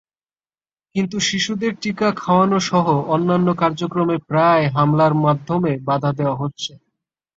কিন্তু শিশুদের টিকা খাওয়ানোসহ অন্যান্য কার্যক্রমে প্রায়ই হামলার মাধ্যমে বাধা দেওয়া হচ্ছে।